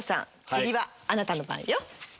次はあなたの番よ。